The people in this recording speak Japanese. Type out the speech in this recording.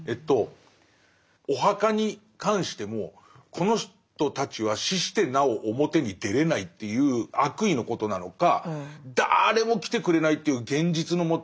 お墓に関してもこの人たちは死してなお表に出れないっていう悪意のことなのか誰も来てくれないという現実のもと